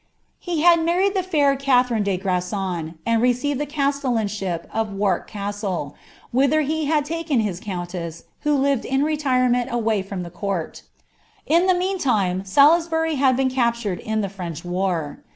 He had married the fair Catherine de Grason,' and reoeived the castellanship of Wark Castle, whither he had taken his countess, who lived in retirement away from the court In the mean time, Salisbury had been captured in the French war.